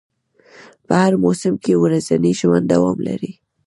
په هر موسم کې ورځنی ژوند دوام لري